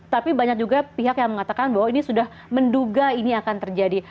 tapi banyak juga pihak yang mengatakan bahwa ini sudah menduga ini akan terjadi